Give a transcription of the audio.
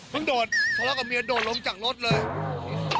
เพิ่งโดดเค้าแล้วกับเมียโดดลงจากรถเลย